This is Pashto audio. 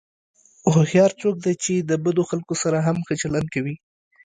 هوښیار څوک دی چې د بدو خلکو سره هم ښه چلند کوي.